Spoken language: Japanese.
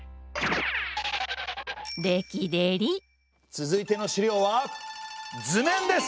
続いての資料は図面です！